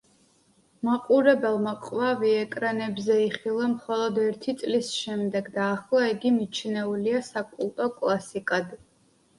მაყურებელმა „ყვავი“ ეკრანებზე იხილა მხოლოდ ერთი წლის შემდეგ და ახლა იგი მიჩნეულია საკულტო კლასიკად.